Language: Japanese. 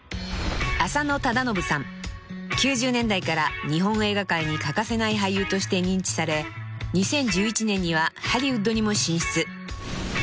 ［９０年代から日本映画界に欠かせない俳優として認知され２０１１年にはハリウッドにも進出］